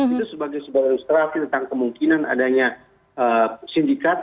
itu sebagai sebuah ilustrasi tentang kemungkinan adanya sindikat